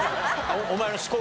お前の思考